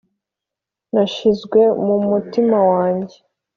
nashizwe mu mutima wanjye,